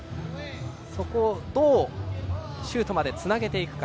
そこを、どうシュートまでつなげるか。